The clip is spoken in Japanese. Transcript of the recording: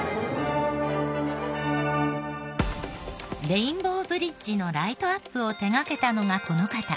レインボーブリッジのライトアップを手掛けたのがこの方。